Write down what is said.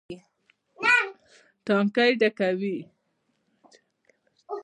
ټانکۍ ډکوي.